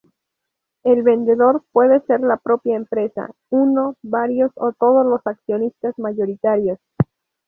El vendedor puede ser la propia empresa, uno, varios o todos los accionistas mayoritarios.